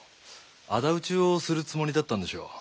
仇討ちをするつもりだったんでしょう。